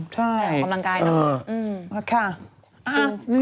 ใช่ออกกำลังกายเนอะ